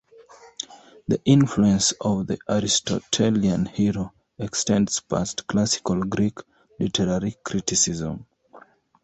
The influence of the Aristotelian hero extends past classical Greek literary criticism.